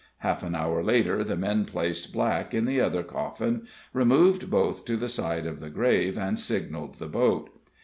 Half an hour later, the men placed Black in the other coffin, removed both to the side of the grave, and signalled the boat.